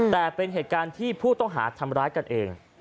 แต่เป็นเหตุการณ์ที่ผู้ต้องหาทำร้ายกันเอง